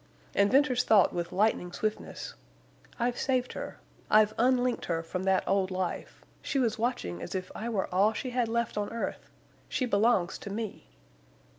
And Venters thought with lightning swiftness, "I've saved her—I've unlinked her from that old life—she was watching as if I were all she had left on earth—she belongs to me!"